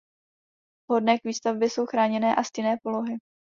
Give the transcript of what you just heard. Vhodné k výsadbě jsou chráněné a stinné polohy.